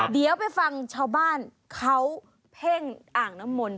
เดี๋ยวไปฟังชาวบ้านเขาเพ่งอ่างน้ำมนต